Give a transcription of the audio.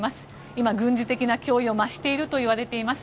今、軍事的な脅威を増しているといわれています。